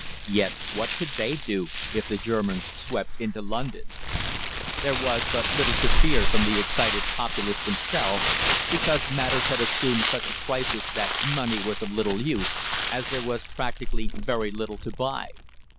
Yet what could they do if the Germans swept into London? There was but little to fear from the excited populace themselves, because matters had assumed such a crisis that money was of little use, as there was practically very little to buy.